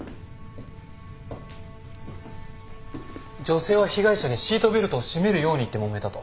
女性は被害者にシートベルトを締めるように言ってもめたと。